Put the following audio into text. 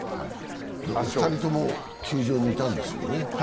２人とも球場にいたんですよね。